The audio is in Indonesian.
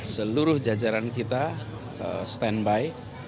seluruh jajaran kita standby